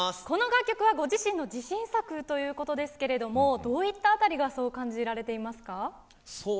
この楽曲はご自身の自信作ということですけれどもどういったあたりがそう感じられていますか。